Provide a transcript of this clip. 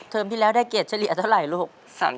เทอมที่แล้วได้เกรดเฉลี่ยเท่าไหร่ลูก